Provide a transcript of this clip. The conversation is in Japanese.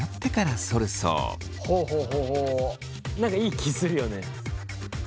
何かいい気するよね。